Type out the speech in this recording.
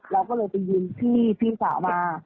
เราก็เลยไปยืมพี่สาวมา